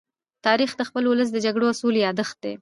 تاریخ د خپل ولس د جګړو او سولې يادښت دی.